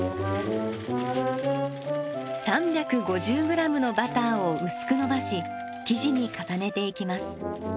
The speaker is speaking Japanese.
３５０グラムのバターを薄くのばし生地に重ねていきます。